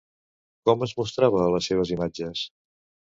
Com es mostrava a les seves imatges?